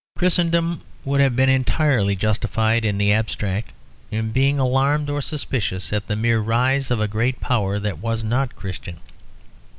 Christendom would have been entirely justified in the abstract in being alarmed or suspicious at the mere rise of a great power that was not Christian.